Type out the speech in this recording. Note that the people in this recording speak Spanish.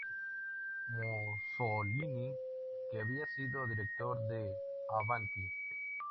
Mussolini, que había sido director de "Avanti!